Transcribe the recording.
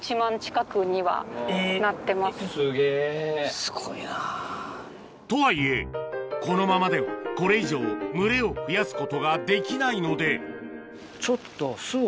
すごいな。とはいえこのままではこれ以上群れを増やすことができないのでちょっと。